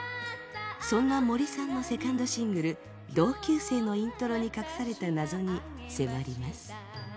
そんな森さんのセカンドシングル「同級生」のイントロに隠された謎に迫ります。